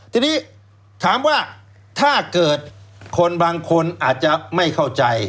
ทีนี้ถามว่าถ้าเกิดคนบางคนอาจจะไม่เข้าใจ